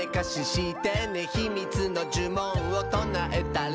「ひみつのじゅもんをとなえたら」